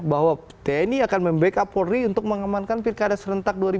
bahwa tni akan membackup polri untuk mengembangkan pikr dua ribu delapan belas